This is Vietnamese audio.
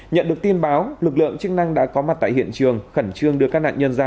nhận được tin báo lực lượng chức năng đã có mặt tại hiện trường khẩn trương đưa các nạn nhân ra